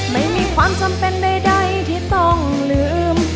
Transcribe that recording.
ไม่มีความจำเป็นใดที่ต้องลืม